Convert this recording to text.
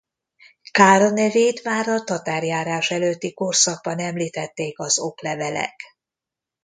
Kára nevét már a tatárjárás előtti korszakban említették az oklevelek.